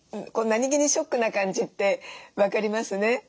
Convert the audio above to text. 何気にショックな感じって分かりますね。